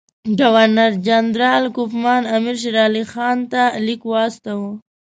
ګورنر جنرال کوفمان امیر شېرعلي خان ته لیک واستاوه.